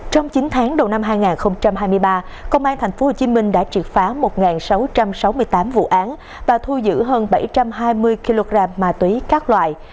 trong chín tháng đầu năm hai nghìn hai mươi ba công an thành phố hồ chí minh đã trượt phá một sáu trăm sáu mươi tám vụ án và thu giữ hơn bảy trăm hai mươi kg ma túy các loại